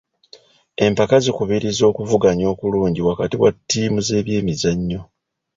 Empaka zikubiriza okuvuganya okulungi wakati wa ttiimu z'ebyemizannyo.